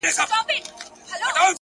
o زما کار نسته بُتکده کي؛ تر کعبې پوري،